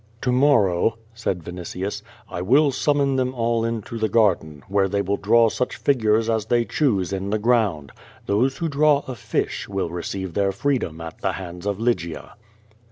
"To morrow," said Vinitius, "I will summon them all into the garden, where they will draw such figures as they choose in the ground. Those who draw a fish will receive their free dom at the hands of Lygia."